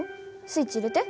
スイッチ入れて。